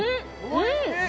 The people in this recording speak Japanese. おいしい！